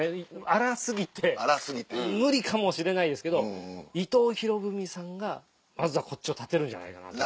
荒過ぎて無理かもしれないですけど伊藤博文さんがまずはこっちを立てるんじゃないかな。